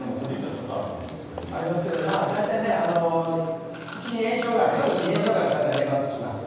ちょっとあると思うんですありますけど、大体ね、口に炎症がある、歯ぐきに炎症がある方、ねばつきます。